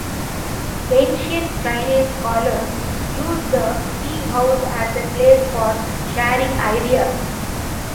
Ancient Chinese scholars used the teahouse as a place for sharing ideas.